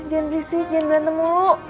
jangan fisik jangan berantem mulu